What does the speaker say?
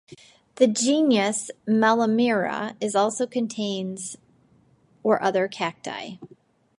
The genus "Mammillaria" also contains "pincushion" and other cacti.